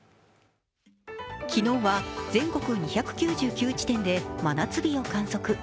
昨日は全国２９９地点で真夏日を観測。